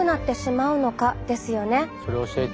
それ教えて！